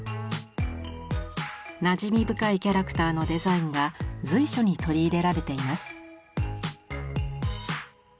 なじみ深いキャラクターのデザインが随所に取り入れられています。